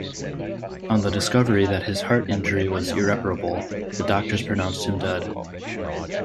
On the discovery that his heart injury was irreparable, the doctors pronounced him dead.